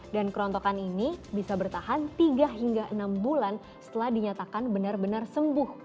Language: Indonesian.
dan kerontokan ini bisa bertahan tiga hingga enam bulan setelah dinyatakan benar benar sembuh